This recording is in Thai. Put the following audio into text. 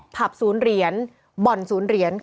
ผับศูนย์เหรียญบ่อนศูนย์เหรียญ